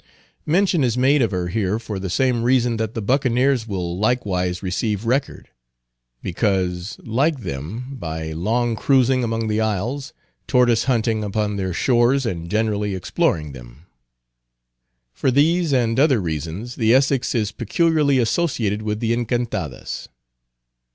Mention is made of her here for the same reason that the Buccaneers will likewise receive record; because, like them, by long cruising among the isles, tortoise hunting upon their shores, and generally exploring them; for these and other reasons, the Essex is peculiarly associated with the Encantadas.